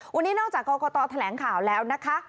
วันนี้นอกจากกรกตแถลงข่าวแล้วนะคะ